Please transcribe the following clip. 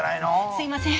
すいません。